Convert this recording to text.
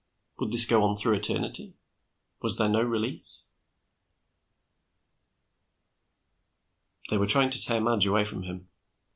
Would this go on through eternity? Was there no release? They were trying to tear Madge away from him.